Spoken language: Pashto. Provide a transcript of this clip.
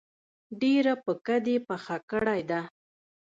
ډیره پکه دي پخه کړی ده